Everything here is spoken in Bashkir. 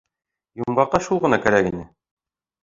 Йомғаҡҡа шул ғына кәрәк ине.